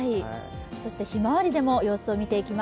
ひまわりでも様子を見ていきます。